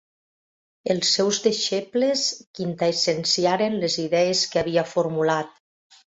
Els seus deixebles quintaessenciaren les idees que havia formulat.